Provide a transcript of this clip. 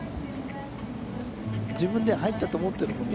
自分では入ったと思ってるもんな。